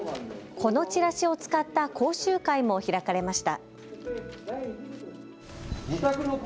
このチラシを使った講習会も開かれました。